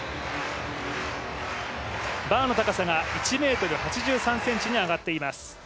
バーの高さが１ｍ８３ｃｍに上がっています。